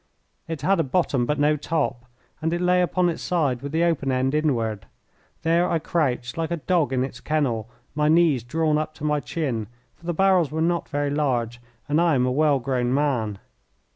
It had a bottom but no top, and it lay upon its side with the open end inward. There I crouched like a dog in its kennel, my knees drawn up to my chin, for the barrels were not very large and I am a well grown man.